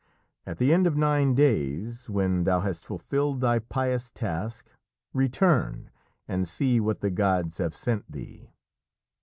At the end of nine days, when thou hast fulfilled thy pious task, return and see what the gods have sent thee."